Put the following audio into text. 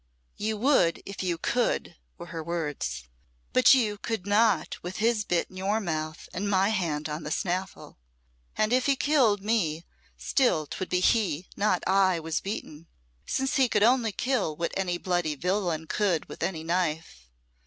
"You would if you could," were her words; "but you could not with his bit in your mouth and my hand on the snaffle. And if he killed me, still 'twould be he, not I, was beaten; since he could only kill what any bloody villain could with any knife.